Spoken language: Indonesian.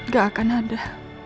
gak akan ada